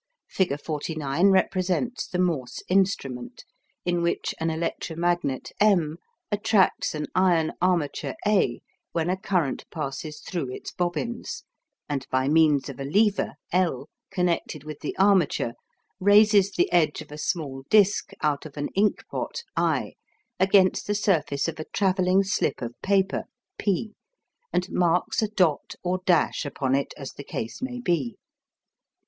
Figure 49 represents the Morse instrument, in which an electromagnet M attracts an iron armature A when a current passes through its bobbins, and by means of a lever L connected with the armature raises the edge of a small disc out of an ink pot I against the surface of a travelling slip of paper P, and marks a dot or dash upon it as the case may be.